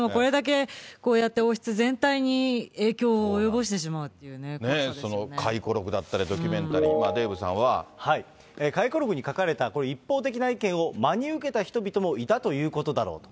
でもこれだけこうやって王室全体に影響を及ぼしてしまうというこその回顧録だったりドキュメ回顧録に書かれた一方的な意見を、真に受けた人々もいたということだろうと。